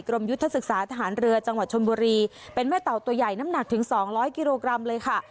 ยุทธศึกษาทหารเรือจังหวัดชนบุรีเป็นแม่เต่าตัวใหญ่น้ำหนักถึงสองร้อยกิโลกรัมเลยค่ะ